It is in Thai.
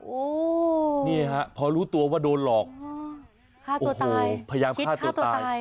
โอ้โหนี่ฮะพอรู้ตัวว่าโดนหลอกโอ้โหพยายามฆ่าตัวตาย